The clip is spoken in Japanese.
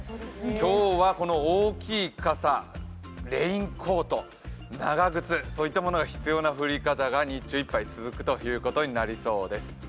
今日はこの大きい傘、レインコート、長靴といったものが必要な降り方が日中いっぱい続くということになりそうです。